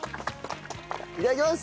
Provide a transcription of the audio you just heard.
いただきます！